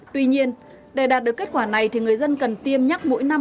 tuy nhiên để đạt được kết quả này thì người dân cần tiêm nhắc mỗi năm